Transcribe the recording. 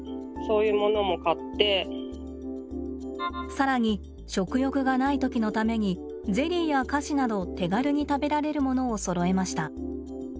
更に食欲がない時のためにゼリーや菓子など手軽に食べられるものをそろえました。